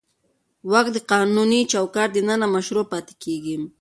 واک د قانوني چوکاټ دننه مشروع پاتې کېږي.